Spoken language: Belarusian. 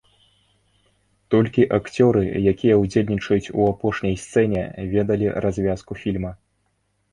Толькі акцёры, якія ўдзельнічаюць у апошняй сцэне, ведалі развязку фільма.